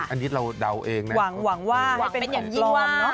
อันนี้เราเดาเองนะหวังว่าให้เป็นของกลมเนอะ